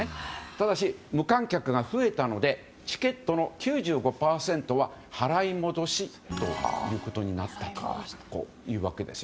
ただし無観客が増えたのでチケットの９５％は払い戻しとなったというわけです。